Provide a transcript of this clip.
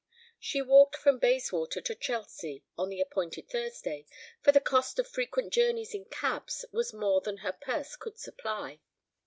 She walked from Bayswater to Chelsea on the appointed Thursday, for the cost of frequent journeys in cabs was more than her purse could supply.